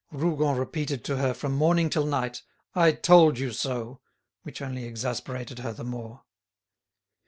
Rougon repeated to her from morning till night, "I told you so!" which only exasperated her the more.